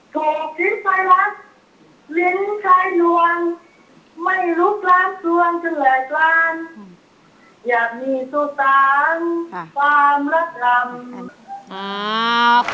โทษทิศไฟลักษณ์ลิ้นชายลวงไม่รู้กล้ามตวงจนแหลกลาน